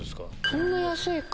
そんな安いか。